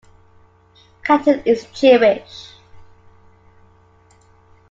Katan is Jewish.